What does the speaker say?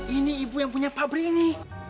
ini ibu yang punya pabrik ini